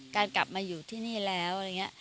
การกลับมาอยู่ที่นี่แล้วอะไรอย่างนี้